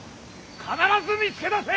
必ず見つけ出せ！